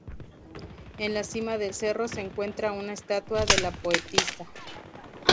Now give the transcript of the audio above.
En la cima del cerro se encuentra una estatua de la poetisa.